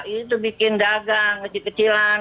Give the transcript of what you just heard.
itu bikin dagang kecil kecilan